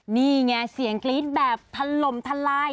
นี่ไงเสียงกรี๊ดแบบถล่มทลาย